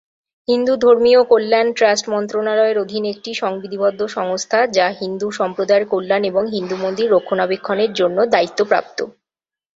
হিন্দু ধর্মীয় কল্যাণ ট্রাস্ট মন্ত্রণালয়ের অধীন একটি সংবিধিবদ্ধ সংস্থা যা হিন্দু সম্প্রদায়ের কল্যাণ এবং হিন্দু মন্দির রক্ষণাবেক্ষণের জন্য দায়িত্বপ্রাপ্ত।